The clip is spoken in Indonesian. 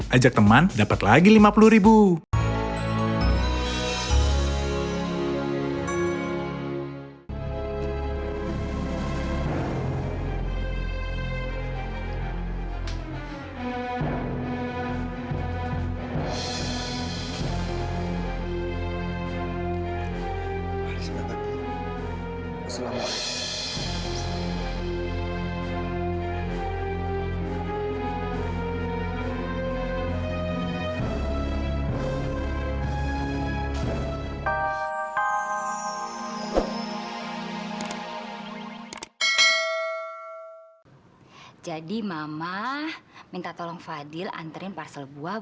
ajak teman dapet lagi lima puluh ribu